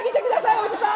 おじさん！